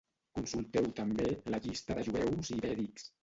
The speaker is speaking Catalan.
Consulteu també la llista de jueus ibèrics.